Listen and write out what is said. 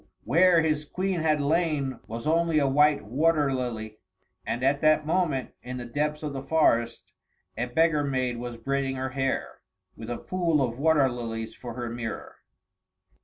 where his Queen had lain was only a white water lily. And at that moment, in the depths of the forest, a beggar maid was braiding her hair, with a pool of water lilies for her mirror.